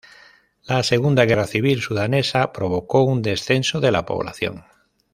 La Segunda Guerra Civil Sudanesa provocó un descenso de la población.